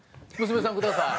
「娘さんください」。